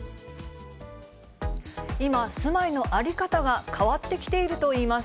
今、住まいの在り方が変わってきているといいます。